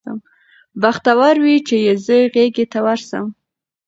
بختور وي چي یې زه غیږي ته ورسم